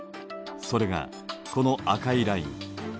それがこの赤いライン。